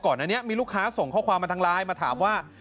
อันนี้มีลูกค้าส่งข้อความมาทางไลน์มาถามว่า